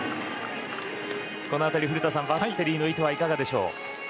このあたり、古田さんバッテリーの意図はいかがでしょう。